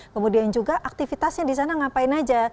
kemudian juga aktivitasnya di sana ngapain aja